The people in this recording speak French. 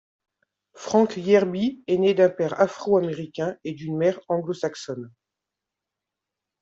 Frank Yerby est né d'un père afro-américain et d'une mère anglo-saxonne.